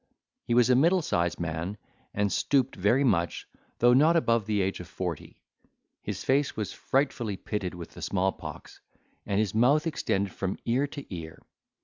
He was a middle sized man, and stooped very much, though not above the age of forty; his face was frightfully pitted with the small pox, and his mouth extended from ear to ear.